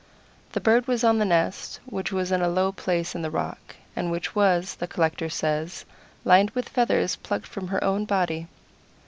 The bird was on the nest, which was in a low place in the rock, and which was, the collector says, lined with feathers plucked from her own body.